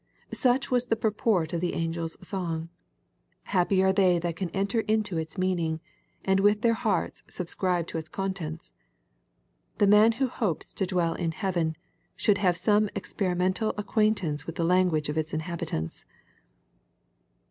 Such was the purport of the angels' song. Happy are they that can enter into its meaning, and with their hearts subscribe to its contents. The man who hopes to dwell in heaven, should have some experimental ac quaintance with the language of its inhabitants.